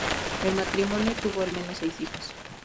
El matrimonio tuvo al menos seis hijos.